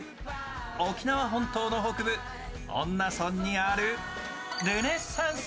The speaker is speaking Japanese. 沖縄本島の北部、恩納村にあるルネッサンス